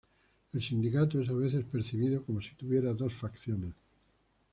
El sindicato es a veces percibido como si tuviera dos facciones.